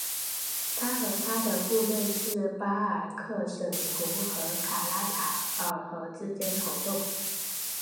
他和他的部众是巴尔喀什湖和卡拉塔尔河之间活动。